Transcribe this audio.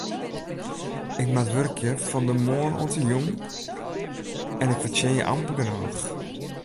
Ik moat wurkje fan de moarn oant de jûn en ik fertsjinje amper genôch.